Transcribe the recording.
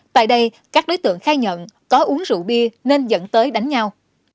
tại đây các đối tượng khai nhận có uống rượu bia nên dẫn tới đánh nhau